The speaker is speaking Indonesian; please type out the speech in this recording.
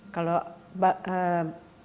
kalau bapak saya main viol dia bisa ikut main